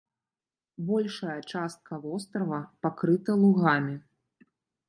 Большая частка вострава пакрыта лугамі.